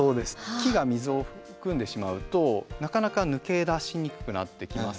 木が水を含んでしまうとなかなか抜け出しにくくなってきます。